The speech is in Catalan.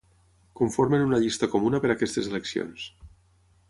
Conformen una llista comuna per a aquestes eleccions.